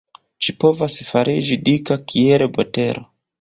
Ĝi povas fariĝi dika kiel botelo.